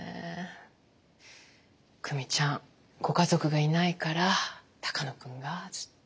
久美ちゃんご家族がいないから鷹野君がずっと。